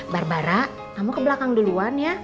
barbara kamu ke belakang duluan ya